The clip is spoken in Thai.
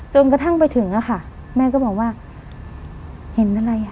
จนกระทั่งไปถึงอะค่ะแม่ก็บอกว่าเห็นอะไรอ่ะ